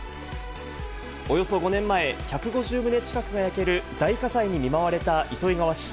およそ５年前、１５０棟近くが焼ける大火災に見舞われた糸魚川市。